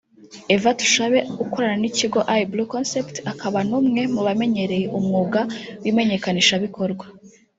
Eve Tushabe ukorana n’ikigo "iBlue Concept" akaba n’umwe mu bamenyereye umwuga w’imenyekanishabikorwa